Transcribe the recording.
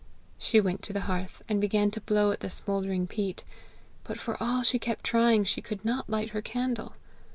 She went to the hearth, and began to blow at the smouldering peat; but, for all she kept trying, she could not light her candle.